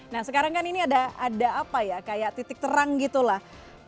nah sekarang kan ini ada apa ya kayak titik terang gitu lah